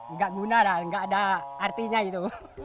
nggak guna lah nggak ada artinya gitu